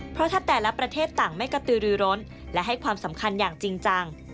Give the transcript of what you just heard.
เพราะถ้าแต่ละประเทศต่างไม่กระตือรือร้นและให้ความสำคัญอย่างจริงจัง